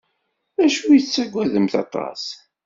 D acu i tettagademt aṭas?